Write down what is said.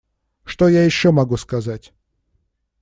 Что я еще могу сказать?